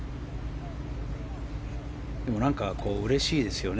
なんかうれしいですよね。